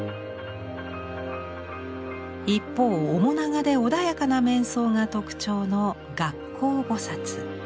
一方面長で穏やかな面相が特徴の月光菩。